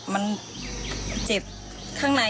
มันเจ็บทางในนี้